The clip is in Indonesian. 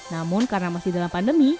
namun karena masih dalam pandemi